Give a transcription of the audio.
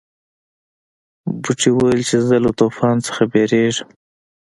بوټي ویل چې زه له طوفان نه یریږم.